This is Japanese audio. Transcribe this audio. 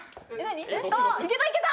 いけたいけた！